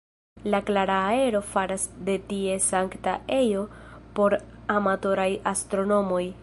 La klara aero faras de tie sankta ejo por amatoraj astronomoj.